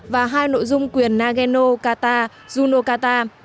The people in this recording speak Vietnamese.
và hai nội dung quyền nageno kata juno kata